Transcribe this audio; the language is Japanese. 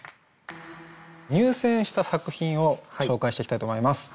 入選した作品を紹介していきたいと思います。